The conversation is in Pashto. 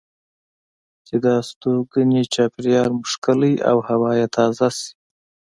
چې د استوګنې چاپیریال مو ښکلی او هوا یې تازه شي.